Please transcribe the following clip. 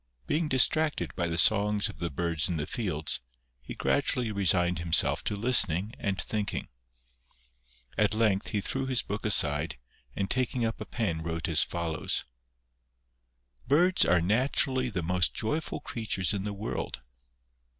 Being distracted by the songs of the birds in the fields, he gradually resigned himself to listening and thinking. At length he threw his book aside, and taking up a pen wrote as follows :— Birds are naturally the most joyful creatures in the world.